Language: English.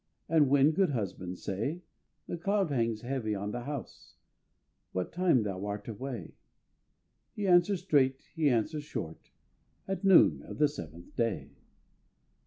"And when, good husband, say: The cloud hangs heavy on the house What time thou art away." He answers straight, he answers short, "At noon of the seventh day."